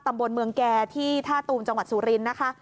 ตำบลเมืองแก่ที่ท่าตูมจังหวัดสุรินทร์นะคะ